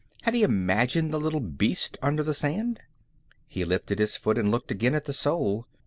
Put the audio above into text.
Had he imagined the little beast under the sand? He lifted his foot and looked again at the sole.